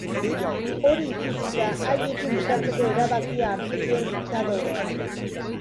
Hori ikusita haiekin bukatzeko erabakia hartu zuen diktadoreak.